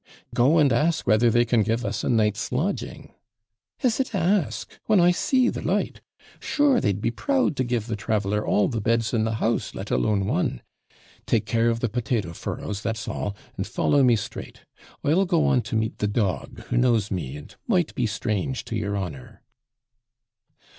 'Go and ask whether they can give us a night's lodging.' 'Is it ASK? when I see the light! Sure they'd be proud to give the traveller all the beds in the house, let alone one. Take care of the potato furrows, that's all, and follow me straight. I'll go on to meet the dog, who knows me and might be strange to your honour.'